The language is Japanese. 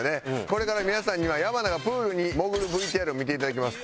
これから皆さんには山名がプールに潜るＶＴＲを見ていただきます。